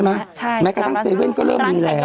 ใช่ร้านชะดวกซื้ออย่างนี้ค่ะแบบว่าตั้ง๗๑๑ก็เริ่มมีแล้ว